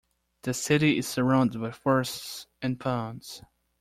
The city is surrounded by forests and ponds.